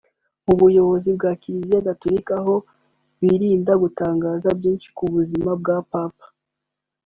Mu buyobozi bwa Kiliziya Gatolika ho birinda gutangaza byinshi ku buzima bwa Papa